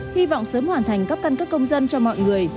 hy vọng sớm hoàn thành cấp căn cước công dân cho mọi người